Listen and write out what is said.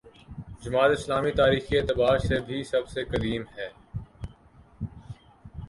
جماعت اسلامی تاریخی اعتبار سے بھی سب سے قدیم ہے۔